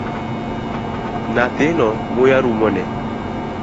Nyathino muya rumone